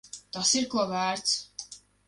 Tas ir ko vērts.